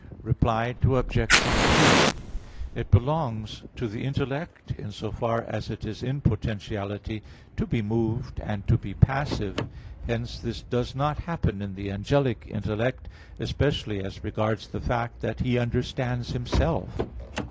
Reply Obj. 3: It belongs to the intellect, in so far as it is in potentiality, to be moved and to be passive. Hence this does not happen in the angelic intellect, especially as regards the fact that he understands himself.